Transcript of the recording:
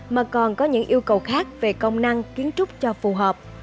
mà còn có những yêu cầu khác về công năng kiến trúc cho phù hợp